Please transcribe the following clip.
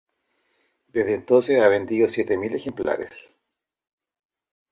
Desde entonces ha vendido siete mil ejemplares.